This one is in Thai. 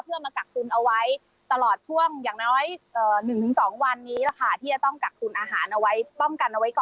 เพื่อมากักตุนเอาไว้ตลอดช่วงอย่างน้อย๑๒วันนี้แหละค่ะที่จะต้องกักตุนอาหารเอาไว้ป้องกันเอาไว้ก่อน